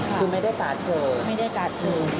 คือไม่ได้การเชิญ